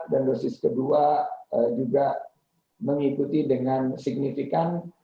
dan dosis kedua juga mengikuti dengan signifikan